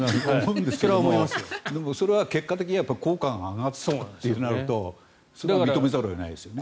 でもそれは結果的には効果が上がったとなると認めざるを得ないですよね。